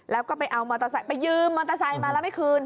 แล้วก็ไปเอามอเตอร์ไซค์ไปยืมมอเตอร์ไซค์มาแล้วไม่คืน